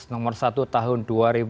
nomor satu tahun dua ribu dua puluh